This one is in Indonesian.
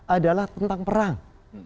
adalah tentang perang